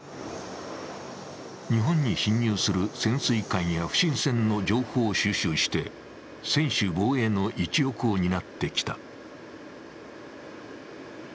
日本に侵入する潜水艦や不審船の情報を収集して専守防衛の一翼を担ってきた。